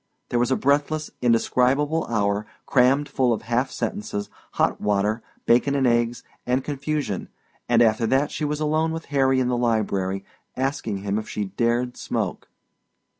There was a breathless indescribable hour crammed full of self sentences, hot water, bacon and eggs and confusion; and after that she was alone with Harry in the library, asking him if she dared smoke.